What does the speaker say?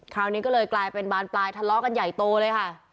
คราวนี้ก็เลยกลายเป็นบานปลายทะเลาะกันใหญ่โตเลยค่ะ